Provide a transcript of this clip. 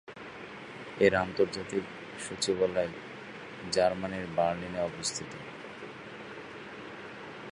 এর আন্তর্জাতিক সচিবালয় জার্মানীর বার্লিনে অবস্থিত।